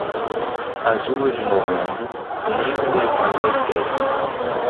As uvas de novembro, nem os leitões, as querem.